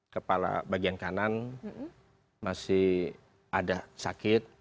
kepala bagian kanan masih ada sakit